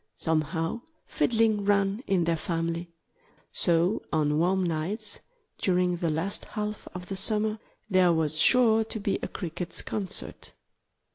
Somehow fiddling ran in their family. So on warm nights, during the last half of the summer, there was sure to be a Crickets' concert.